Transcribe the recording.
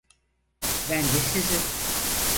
Ben de sizi.